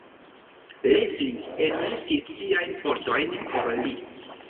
Lessing enmetis siajn fortojn por li.